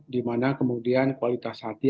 dimana kemudian kualitas hati